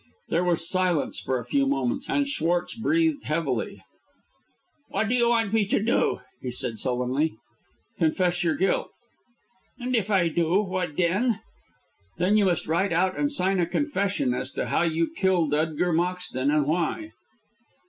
There was silence for a few moments, and Schwartz breathed heavily. "What do you want me to do?" he said sullenly. "Confess your guilt." "And if I do what then?" "Then you must write out and sign a confession as to how you killed Edgar Moxton, and why."